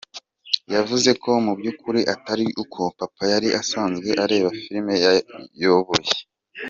Yavuze ko mu by’ukuri atari uko Papa yari asanzwe areba filime yayoboye.